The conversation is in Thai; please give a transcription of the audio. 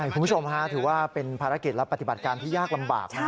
คุณผู้ชมถือว่าเป็นภารกิจและปฏิบัติการที่ยากลำบากนะ